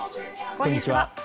こんにちは。